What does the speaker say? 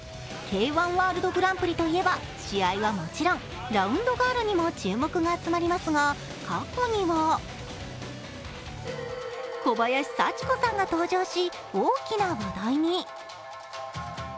Ｋ−１ＷＯＲＬＤＧＰと言えば試合はもちろん、ラウンドガールにも注目が集まりますが過去には小林幸子さんが登場し大きな話題に。